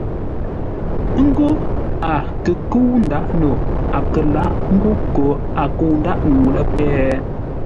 Ńgó a kə kə́u ńdǎʼ no a kə lǎʼ ńgó koo a kə̂u ńdáʼ ŋuu lə́ péh.